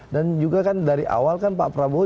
dan juga kan dari awal kan pak prabowo